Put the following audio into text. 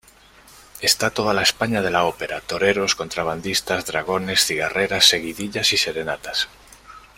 Está toda la España de la ópera: toreros, contrabandistas, dragones, cigarreras, seguidillas y serenatas.